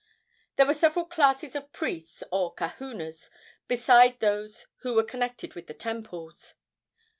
There were several classes of priests, or kahunas, beside those who were connected with the temples.